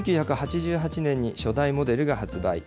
１９８８年に初代モデルが発売。